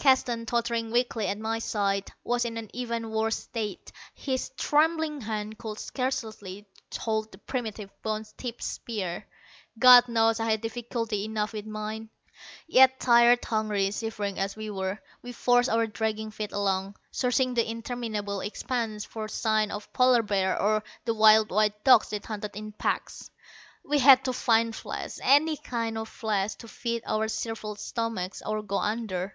Keston, tottering weakly at my side, was in an even worse state. His trembling hand could scarcely hold the primitive bone tipped spear. God knows I had difficulty enough with mine. Yet, tired, hungry, shivering as we were, we forced our dragging feet along, searching the interminable expanse for sign of polar bear or the wild white dogs that hunted in packs. We had to find flesh any kind to feed our shriveled stomachs or go under.